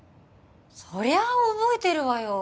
そりゃあ覚えてるわよ